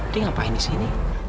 dia ngapain disini